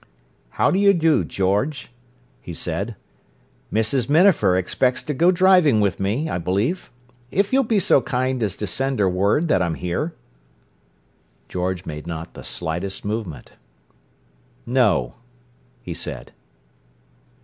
"How do you do, George," he said. "Mrs. Minafer expects to go driving with me, I believe—if you'll be so kind as to send her word that I'm here." George made not the slightest movement. "No," he said.